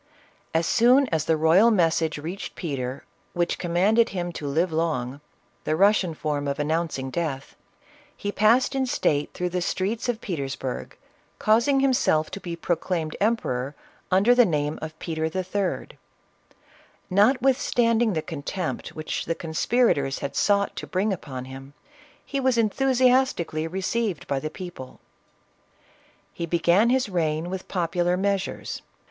As soon as the royal message reached Peter, which " commanded him to live long," — the Russian form of announcing death, he passed in state through the streets of Petersburg, causing himself to be pro claimed emperor, under the name of Peter III. Not withstanding the contempt which the conspirators had sought to bring upon him, he was enthusiastically re ceived by the people. He began his reign with popular measures.